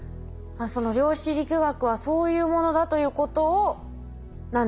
量子力学はそういうものだということなんですね。